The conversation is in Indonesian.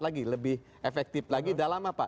lagi lebih efektif lagi dalam apa